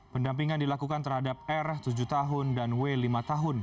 pendampingan dilakukan terhadap r tujuh tahun dan w lima tahun